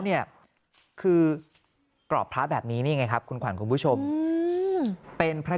เนี่ยคือกรอบพระแบบนี้นี่ไงครับคุณขวัญคุณผู้ชมเป็นพระ